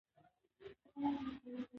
خاوره د افغانستان د پوهنې نصاب کې شامل دي.